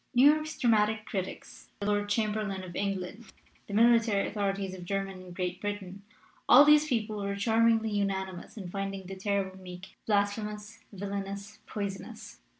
''New York's dramatic critics, the Lord Cham berlain of England, the military authorities of Germany and Great Britain all these people were charmingly unanimous in finding The Terrible Meek blasphemous, villainous, poisonous.